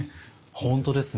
本当ですね。